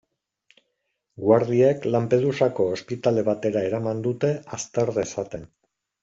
Guardiek Lampedusako ospitale batera eraman dute, azter dezaten.